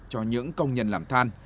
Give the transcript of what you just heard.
cho những công nhân làm than